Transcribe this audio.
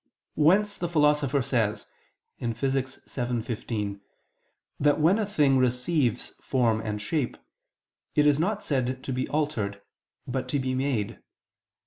Whence the Philosopher says (Phys. vii, text. 15) that when a thing receives form and shape, it is not said to be altered, but to be made.